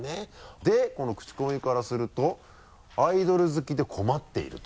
でこのクチコミからすると「アイドル好きで困っている」と。